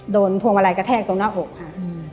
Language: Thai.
โดนทวงวะลัยกระแทกตรงหน้าอกค่ะอะอืม